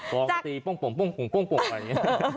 ดนตรีปุ้งปุ้งอย่างนี้